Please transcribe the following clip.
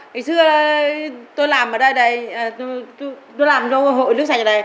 thì xưa tôi làm ở đây tôi làm hội nước sạch ở đây